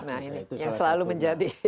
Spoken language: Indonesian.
nah ini yang selalu menjadi